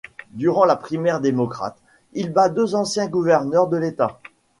Durant la primaire démocrate, il bat deux anciens gouverneurs de l'État.